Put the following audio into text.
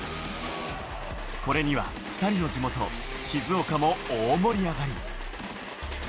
これには２人の地元、静岡も大盛り上がり。